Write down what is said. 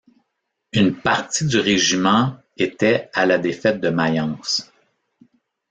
Une partie du Régiment était à la défaite de Mayence.